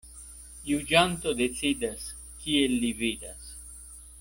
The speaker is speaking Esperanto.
Juĝanto decidas, kiel li vidas.